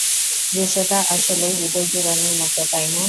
দৃশ্যটা আসলেই হৃদয় জুড়ানোর মতো, তাই না?